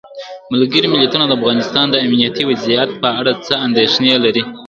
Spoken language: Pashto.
ملګري ملتونه د افغانستان د امنیتي وضعیت په اړه څه اندېښنې لري؟